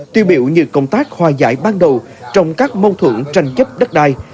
tiêu biểu như công tác hòa giải ban đầu trong các mâu thuẫn tranh chấp đất đai